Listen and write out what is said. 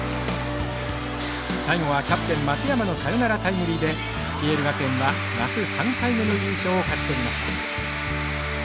最後はキャプテン・松山のサヨナラタイムリーでＰＬ学園は夏３回目の優勝を勝ち取りました。